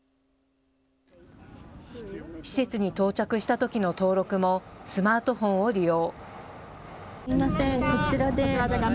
施設に到着したときの登録もスマートフォンを利用。